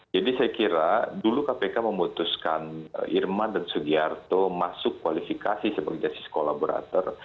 jadi saya kira dulu kpk memutuskan irman dan sugiarto masuk kualifikasi sebagai justice collaborator